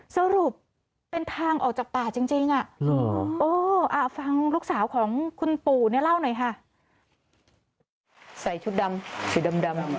สรุปเป็นทางออกจากป่าจริง